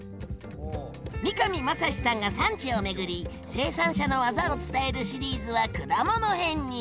三上真史さんが産地を巡り生産者のわざを伝えるシリーズは果物編に！